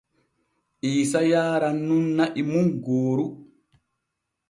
Iisa yaaran nun na’i mum gooru.